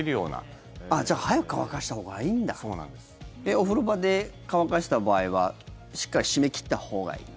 お風呂場で乾かした場合はしっかり閉め切ったほうがいい？